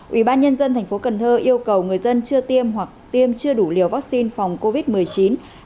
ủy ban nhân dân tp cần thơ yêu cầu người dân chưa tiêm hoặc tiêm chưa đủ liều vaccine phòng covid một mươi chín hạn chế di chuyển ra khỏi nơi ở